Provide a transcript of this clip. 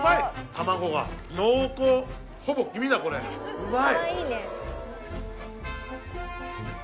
卵が濃厚ほぼ黄身だこれうまい！